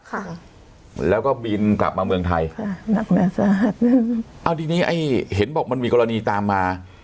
ค่ะแล้วก็บินกลับมาเมืองไทยค่ะหนักแรงซะเอาทีนี้ไอ้เห็นบอกมันมีกรณีตามมา